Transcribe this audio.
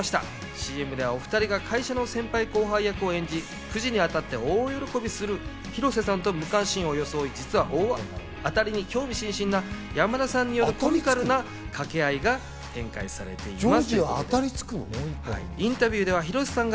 ＣＭではお２人が会社の先輩と後輩役を演じ、クジに当たって大喜びする広瀬さんと無関心を装い実は当たりに興味津々な山田さんによるコミカルな掛け合いが展開されています。